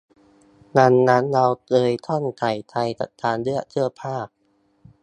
ดังนั้นเราเลยต้องใส่ใจกับการเลือกเสื้อผ้า